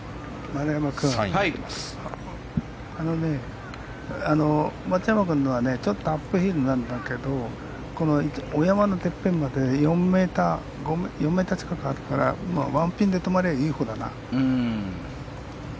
丸山君、松山君のはちょっとアップヒルなんだけどお山のてっぺんまで４ｍ近くあるから１ピンで止まればいいほうだな。